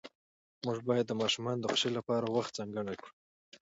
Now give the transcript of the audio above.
موږ باید د ماشومانو د خوښۍ لپاره وخت ځانګړی کړو